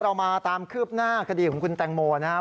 เรามาตามคืบหน้าคดีของคุณแตงโมนะครับ